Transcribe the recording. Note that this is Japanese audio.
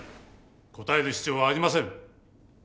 答える必要はありません。